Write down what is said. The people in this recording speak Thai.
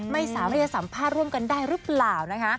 ไม่สามารถจะสัมภาษณ์ร่วมกันได้หรือเปล่านะคะ